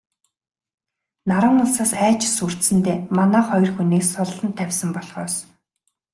Наран улсаас айж сүрдсэндээ манай хоёр хүнийг суллан тавьсан болохоос...